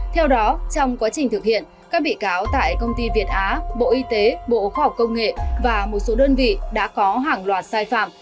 theo đó trong quá trình thực hiện các bị cáo tại công ty việt á bộ y tế bộ khoa học công nghệ và một số đơn vị đã có hàng loạt sai phạm